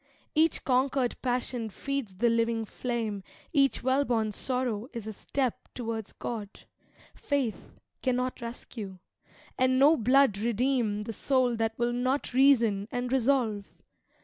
Each conquered passion feeds the living flame; Each well born sorrow is a step towards God; Faith cannot rescue, and no blood redeem The soul that will not reason and resolve.